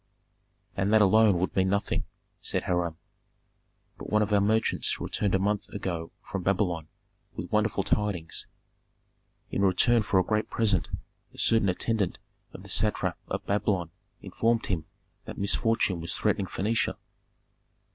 "And that alone would mean nothing," said Hiram. "But one of our merchants returned a month ago from Babylon, with wonderful tidings. In return for a great present a certain attendant of the Satrap of Babylon informed him that misfortune was threatening Phœnicia.